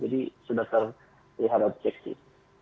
jadi sudah terlihat objektif